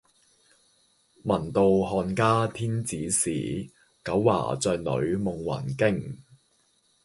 聞道漢家天子使，九華帳里夢魂驚。